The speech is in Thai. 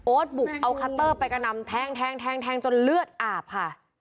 บุกเอาคัตเตอร์ไปกระนำแทงแทงจนเลือดอาบค่ะ